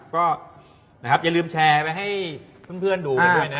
ก็อย่าลืมแชร์ไปให้เพื่อนดูด้วยนะครับ